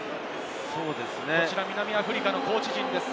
南アフリカのコーチ陣です。